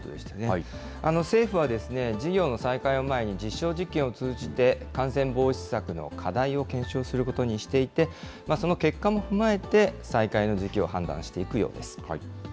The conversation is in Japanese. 政府は事業の再開を前に実証実験を通じて、感染防止策の課題を検証することにしていて、その結果も踏まえて、再開の時期を判断していくようです。